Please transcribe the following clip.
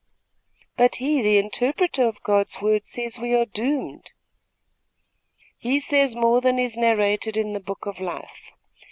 "But he, the interpreter of God's word, says we are doomed." "He says more than is narrated in the Book of Life.